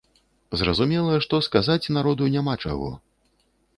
Зразумела, што сказаць народу няма чаго.